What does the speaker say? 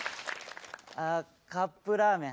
あカップラーメン。